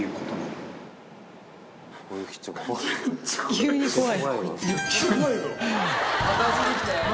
急に怖い。